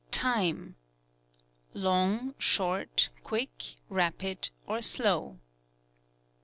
Time — long, short, quick, rapid or slow.